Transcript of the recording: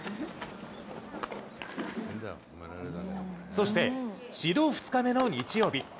そして、指導２日目の日曜日。